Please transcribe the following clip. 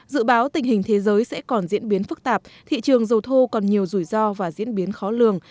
dự báo tình hình thế giới sẽ còn diễn biến phức tạp thị trường dầu thô còn nhiều rủi ro và diễn biến khó lường